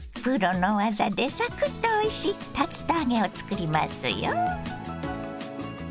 プロの技でサクッとおいしい竜田揚げを作りますよ。